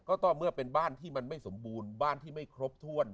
ก็เมื่อเป็นบ้านที่มันไม่สมบูรณ์บ้านที่ไม่ครบถ้วน